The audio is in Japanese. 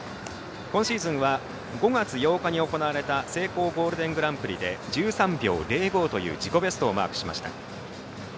今シーズンは、５月８日に行われたセイコーゴールデングランプリで１３秒０５という自己ベストをマークしました。